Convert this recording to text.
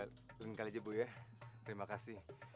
turunkan aja bu ya terima kasih